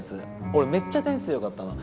俺めっちゃ点数よかったの。